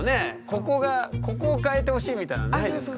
ここがここを変えてほしいみたいなのないですか？